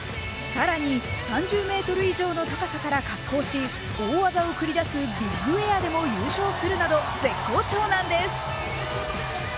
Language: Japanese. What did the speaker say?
更に３０ｍ以上の高さから滑降し、大技を繰り出すビッグエアでも優勝するなど絶好調なんです。